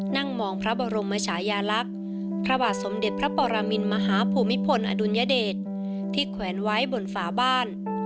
นั่งมองพระบรมชายาลักษณ์พระบาทสมเด็จพระปรมินมหาภูมิพลอดุลยเดชที่แขวนไว้บนฝาบ้าน